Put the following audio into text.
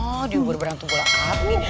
oh diubur berhantu bola api